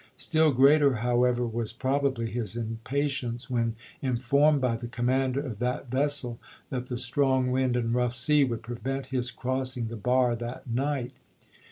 Still greater, however, was probably his impatience, when informed by the commander of that vessel that the strong wind and rough sea would prevent his crossing the bar that night.